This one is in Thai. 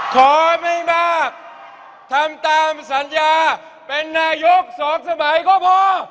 ขอไม่มากทำตามสัญญาเป็นนายกสองสมัยก็พอ